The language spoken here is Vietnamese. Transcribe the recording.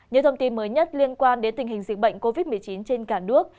những thông tin mới nhất liên quan đến tình hình dịch bệnh covid một mươi chín trên cả nước